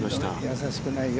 易しくないよ